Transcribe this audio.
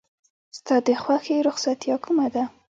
ستا د خوښې رخصتیا کومه ده؟